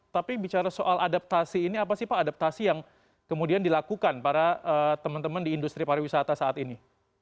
tapi bicara soal adaptasi ini apa sih pak adaptasi yang kemudian dilakukan para teman teman di industri pariwisata saat ini